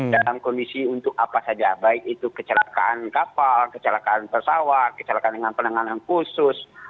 dalam kondisi untuk apa saja baik itu kecelakaan kapal kecelakaan pesawat kecelakaan dengan penanganan khusus